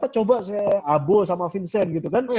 coba saya abo sama vincent gitu kan